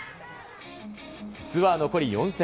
ツアー残り４戦。